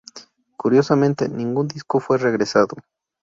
Curiosamente, ningún disco fue regresado.